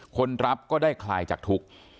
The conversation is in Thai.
คนรับก็ได้คลายจากทุกข์